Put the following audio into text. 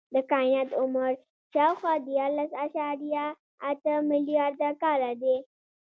د کائنات عمر شاوخوا دیارلس اعشاریه اته ملیارده کاله دی.